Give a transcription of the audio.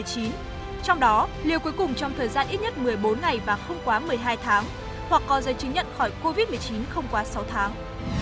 trong đó liều cuối cùng trong thời gian ít nhất một mươi bốn ngày và không quá một mươi hai tháng hoặc có giấy chứng nhận khỏi covid một mươi chín không quá sáu tháng